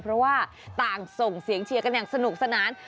เพราะว่าต่างส่งเสียงเชียร์กันอย่างสนุกสนาน